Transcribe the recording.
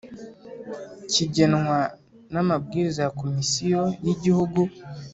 kigenwa n amabwiriza ya Komisiyo y Igihugu